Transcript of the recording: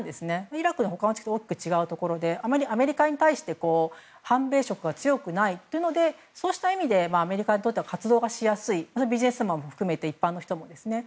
イラクの他の地区とは大きく違うところであまりアメリカに対して反米色は強くなくてそうした意味でアメリカにとって活動がしやすいビジネスマンも含めて一般の人もですね。